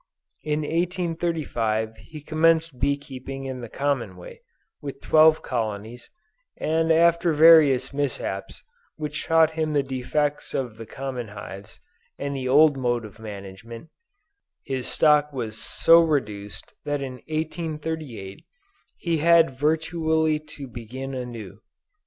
In 1835 he commenced bee keeping in the common way, with 12 colonies and after various mishaps, which taught him the defects of the common hives and the old mode of management, his stock was so reduced that in 1838 he had virtually to begin anew.